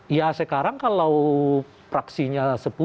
ya sekarang kalau praksinya sepuluh